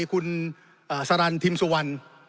คุณสรรทิมสุวรรณ